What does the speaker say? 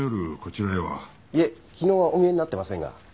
いえ昨日はお見えになってませんが。